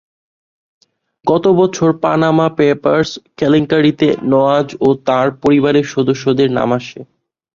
গত বছর Panama papers কেলেঙ্কারিতে নওয়াজ ও তাঁর পরিবারের সদস্যদের নাম আসে।